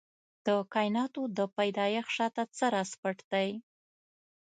د کائناتو د پيدايښت تر شا څه راز پټ دی؟